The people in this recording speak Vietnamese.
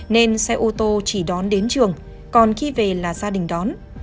nên xe ô tô chỉ đón đến trường còn khi về là gia đình đón